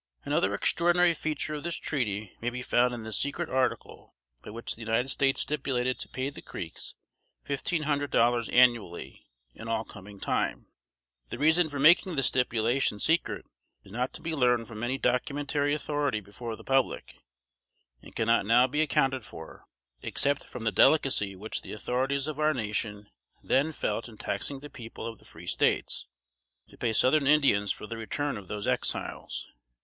Another extraordinary feature of this treaty may be found in the secret article, by which the United States stipulated to pay the Creeks fifteen hundred dollars annually, in all coming time. The reason for making this stipulation secret is not to be learned from any documentary authority before the public, and cannot now be accounted for, except from the delicacy which the authorities of our nation then felt in taxing the people of the free States, to pay southern Indians for the return of those Exiles.